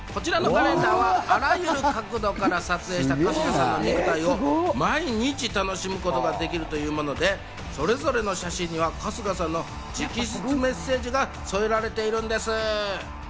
こちらのカレンダーはあらゆる角度から撮影した、春日さんの肉体を毎日楽しむことができるというもので、それぞれの写真には春日さんの直筆メッセージが添えられているんです。